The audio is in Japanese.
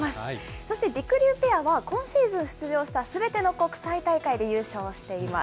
そしてりくりゅうペアは、今シーズン、出場したすべての国際大会で優勝しています。